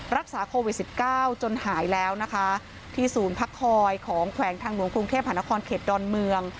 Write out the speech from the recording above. รักษาโควิด๑๙จนหายแล้วนะคะที่ศูนย์พักคอยของแขวงทางหลวงกรุงเทพหานครเขตดอนเมือง